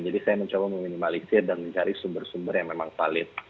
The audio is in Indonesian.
jadi saya mencoba meminimalisir dan mencari sumber sumber yang memang valid